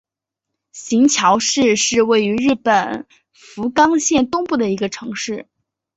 行桥市是位于日本福冈县东部的一个城市。